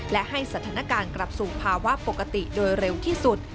และให้สถานการณ์กลับสู่ภาวะปกติโดยเร็วที่สุด